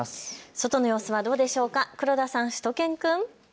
外の様子はどうでしょうか黒田さん、しゅと犬くん。